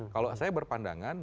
kalau saya berpandangan